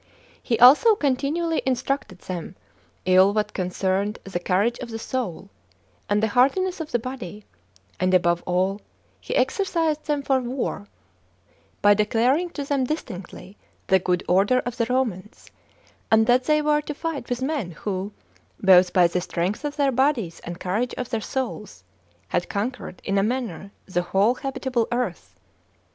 He also continually instructed them in what concerned the courage of the soul, and the hardiness of the body; and, above all, he exercised them for war, by declaring to them distinctly the good order of the Romans, and that they were to fight with men who, both by the strength of their bodies and courage of their souls, had conquered in a manner the whole habitable earth.